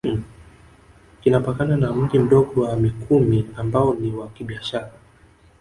Kinapakana na Mji Mdogo wa Mikumi ambao ni wa kibiashara